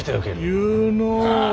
言うのう。